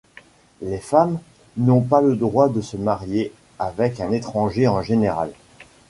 Les femmes n'ont pas le droit de se marier avec un étranger en général.